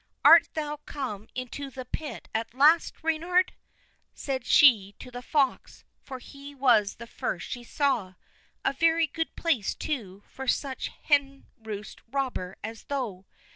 "Art thou come into the pit at last, Reynard?" she said to the fox, for he was the first she saw; "a very good place, too, for such a hen roost robber as thou.